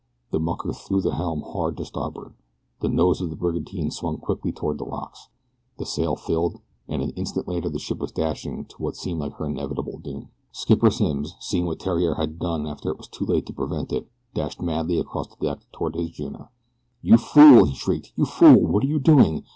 The mucker threw the helm hard to starboard. The nose of the brigantine swung quickly toward the rocks. The sail filled, and an instant later the ship was dashing to what seemed her inevitable doom. Skipper Simms, seeing what Theriere had done after it was too late to prevent it, dashed madly across the deck toward his junior. "You fool!" he shrieked. "You fool! What are you doing?